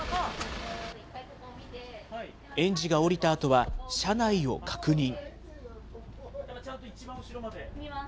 園児が降りたあとは、車内を確認。